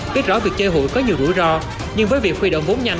biết rõ việc chê hụi có nhiều rủi ro nhưng với việc khuy động vốn nhanh